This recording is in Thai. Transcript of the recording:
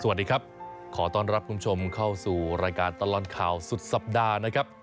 สวัสดีครับขอต้อนรับคุณผู้ชมเข้าสู่รายการตลอดข่าวสุดสัปดาห์นะครับ